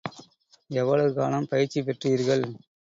எவ்வளவு காலம் பயிற்சி பெற்றீர்கள்.